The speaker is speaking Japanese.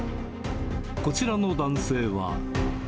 こちらの男性は。